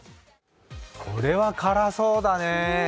これは辛そうだね。